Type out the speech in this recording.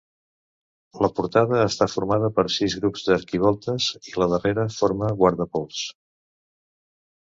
La portada està formada per sis grups d'arquivoltes i la darrera forma guardapols.